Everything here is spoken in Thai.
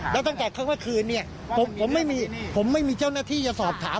แล้วตั้งแต่เมื่อคืนเนี่ยผมไม่มีเจ้าหน้าที่จะสอบถาม